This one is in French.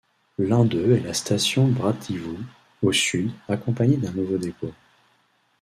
L'un d'eux est la station Brateevo, au sud, accompagnée d'un nouveau dépôt.